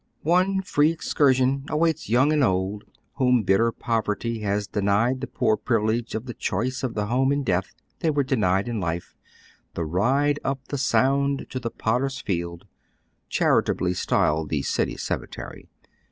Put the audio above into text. One free excursion awaits young and old wiiom bitter poverty has denied the poor privilege of the choice of the home in death they were denied in life, the ride up the Sound to the Potter's Field, charitably styled the City Cemetery.